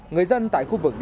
người dân tại khu vực này